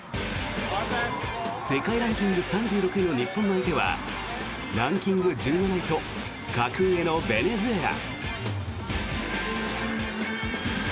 世界ランキング３６位の日本の相手はランキング１７位と格上のベネズエラ。